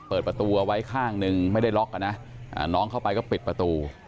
เปิดประตูเอาไว้ข้างหนึ่งไม่ได้ล็อกอ่ะนะน้องเข้าไปก็ปิดประตู